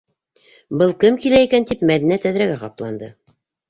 Был кем килә икән тип, Мәҙинә тәҙрәгә ҡапланды.